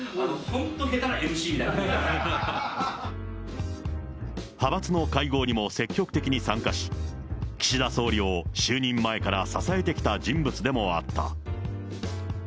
本当、派閥の会合にも積極的に参加し、岸田総理を就任前から支えてきた人物でもあった。